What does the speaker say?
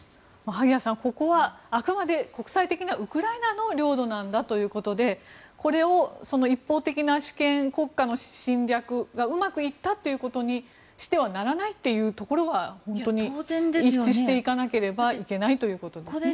萩谷さん、ここはあくまで国際的にはウクライナの領土なんだということでこれを一方的な国家の侵略がうまくいったということにしてはならないというところは本当に一致していかなければいけないということですね。